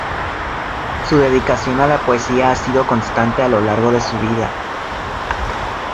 Su dedicación a la poesía ha sido constante a lo largo de su vida.